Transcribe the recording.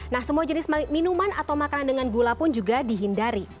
nah semua jenis minuman atau makanan dengan gula pun juga dihindari